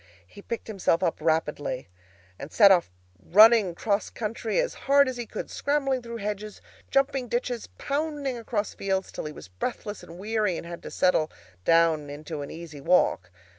He picked himself up rapidly, and set off running across country as hard as he could, scrambling through hedges, jumping ditches, pounding across fields, till he was breathless and weary, and had to settle down into an easy walk.